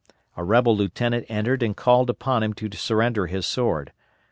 A rebel lieutenant entered and called upon him to surrender his sword.